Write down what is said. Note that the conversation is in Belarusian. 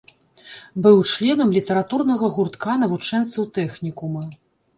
Быў членам літаратурнага гуртка навучэнцаў тэхнікума.